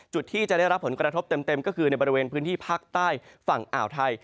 จุดที่จะได้รับผลกระทบเต็มก็คือในบริเวณพื้นที่ภาคใต้ฝั่งอ่าวไทย